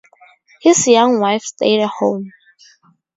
His young wife stayed at home.